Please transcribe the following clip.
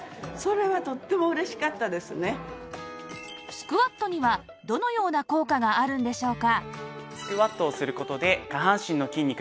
スクワットにはどのような効果があるんでしょうか？